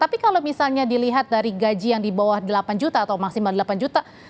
tapi kalau misalnya dilihat dari gaji yang di bawah delapan juta atau maksimal delapan juta